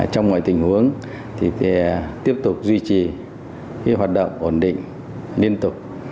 trong mọi tình huống tiếp tục duy trì hoạt động ổn định liên tục